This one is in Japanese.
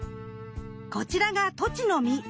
こちらがトチの実。